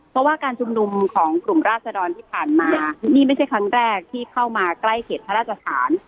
เพราะว่าการชุมนุมของกลุ่มราศดรที่ผ่านมานี่ไม่ใช่ครั้งแรกที่เข้ามาใกล้เขตพระราชฐาน